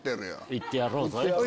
行ってやろうぜ。